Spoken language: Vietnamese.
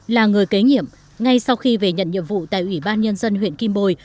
là người kế nhiệm ngay sau khi về nhận nhiệm vụ tại ủy ban nhân dân huyện ghi bôi